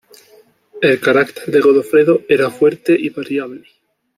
El carácter de Godofredo era fuerte y variable.